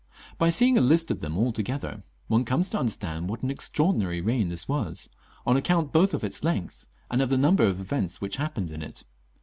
By seeing a list of them all together, one comes to imderstand what an extraordinary reign this was, on account both of its length and of the number of events which happened in it.